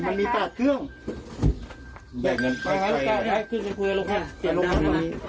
มันมี๘เครื่อง